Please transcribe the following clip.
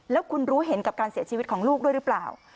แล้วคุณรู้เห็นกับการเสียชีวิตของลูกด้วยหรือเปล่า